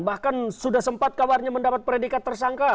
bahkan sudah sempat kawarnya mendapat peredikat tersangka